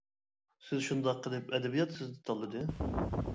سىز شۇنداق قىلىپ، ئەدەبىيات سىزنى تاللىدى.